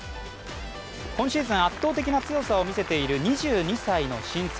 今シーズン圧倒的な強さを見せている２２歳の新星。